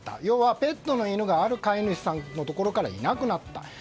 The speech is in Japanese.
要はペットの犬がある飼い主さんのところからいなくなった。